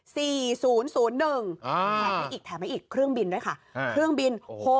แถมให้อีกแถมให้อีกเครื่องบินด้วยค่ะเครื่องบินโอ้โห